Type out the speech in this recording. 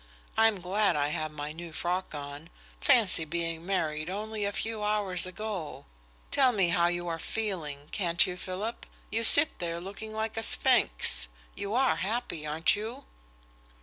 I'm glad I have my new frock on.... Fancy being married only a few hours ago! Tell me how you are feeling, can't you, Philip? You sit there looking like a sphinx. You are happy, aren't you?"